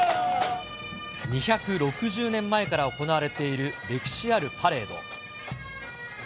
２６０年前から行われている歴史あるパレード。